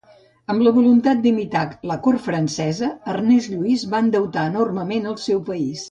Amb la voluntat d'imitar la Cort francesa, Ernest Lluís va endeutar enormement el seu país.